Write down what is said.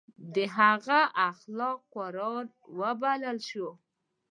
د هغه اخلاق قرآن وبلل شول.